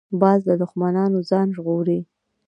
باز له دوښمنو ځان ژغوري